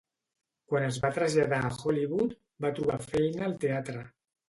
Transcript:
Quan es va traslladar a Hollywood, va trobar feina al teatre.